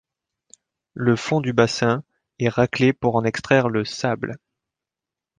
Le fond du bassin est raclé pour en extraire le 'sable'.